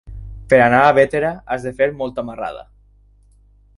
Per anar a Bétera has de fer molta marrada.